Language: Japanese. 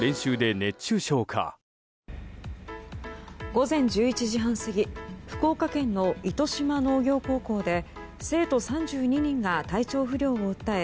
午前１１時半過ぎ福岡県の糸島農業高校で生徒３２人が体調不良を訴え